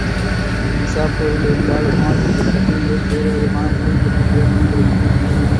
நிசாப்பூரில் இருந்தால் உமார், இந்தப் பிரச்சினையில் வேறுவிதமான முடிவு கட்டும்படி நேர்ந்திருக்கும்.